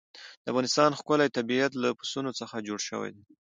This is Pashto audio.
د افغانستان ښکلی طبیعت له پسونو څخه جوړ شوی دی.